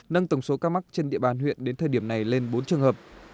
nâng tổng số ca mắc trên địa bàn huyện đến thời điểm này lên bốn trường hợp